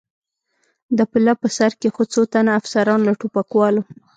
د پله په سر کې څو تنه افسران، له ټوپکوالو.